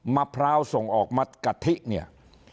มะพร้าวส่งออกมากะทิเนี่ย